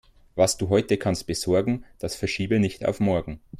Was du heute kannst besorgen, das verschiebe nicht auf morgen.